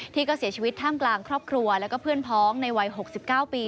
ที่ก็เสียชีวิตท่ามกลางครอบครัวแล้วก็เพื่อนพ้องในวัย๖๙ปี